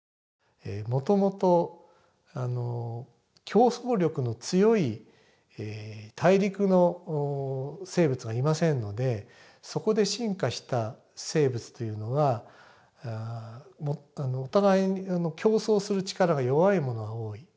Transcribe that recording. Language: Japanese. もともと競争力の強い大陸の生物がいませんのでそこで進化した生物というのはお互い競争する力が弱いものが多い。